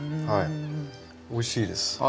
はいおいしいです。